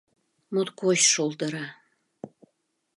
Моткоч шолдыра.